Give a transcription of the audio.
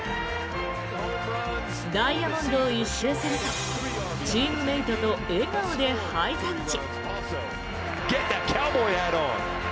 ダイヤモンドを一転するとチームメートと笑顔でハイタッチ。